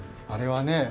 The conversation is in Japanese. あれはね